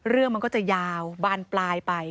เรื่องมันก็จะยาวบานปลายไป